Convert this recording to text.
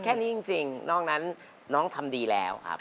แค่นี้จริงนอกนั้นน้องทำดีแล้วครับ